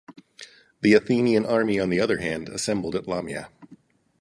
The Athenian army on the other hand assembled at Lamia.